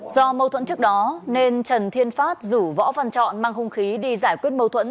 do mâu thuẫn trước đó nên trần thiên phát rủ võ văn chọn mang hung khí đi giải quyết mâu thuẫn